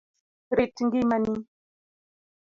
Rit ngima ni.